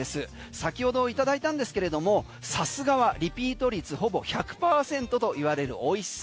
先ほどいただいたんですけれどもさすがはリピート率ほぼ１００％と言われる美味しさ。